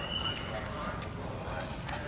อันที่สุดท้ายก็คือภาษาอันที่สุดท้าย